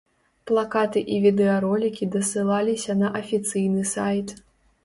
Плакаты і відэаролікі дасылаліся на афіцыйны сайт.